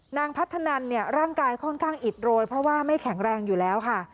นางพัฒนันเนี่ยร่างกายค่อนข้างอิดโรยเพราะว่าไม่แข็งแรงอยู่แล้วค่ะ